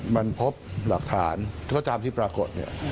มันพบหลักฐานตามที่ปรากฎ